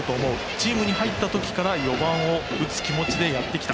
チームに入った時から４番を打つ気持ちでやってきた。